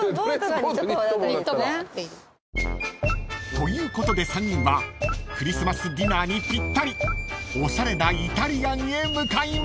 ［ということで３人はクリスマスディナーにぴったりおしゃれなイタリアンへ向かいます］